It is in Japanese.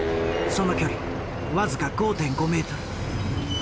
その距離僅か５．５ｍ。